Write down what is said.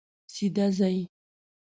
سیده ځئ